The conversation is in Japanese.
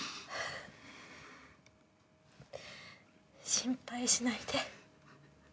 心配しないで。